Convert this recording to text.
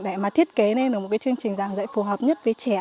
để mà thiết kế nên được một chương trình giảng dạy phù hợp nhất với trẻ